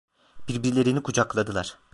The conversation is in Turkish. Birbirlerini kucakladılar.